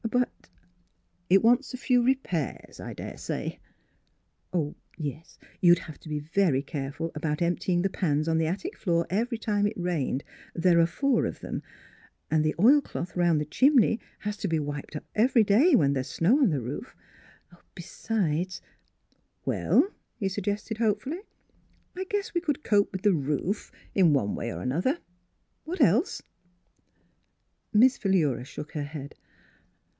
But —"" It wants a few repairs, I dare say." "You would have to be careful about emptying the pans on the attic floor every time it rained there are four of them — and the oil cloth around the chimney has to be wiped up every day when there is snow on the roof. Besides •—" "Well?" he suggested hopefully. "I guess we could cope with the roof in one way or another. What else? " Miss Philura shook her head.